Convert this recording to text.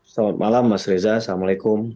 selamat malam mas reza assalamualaikum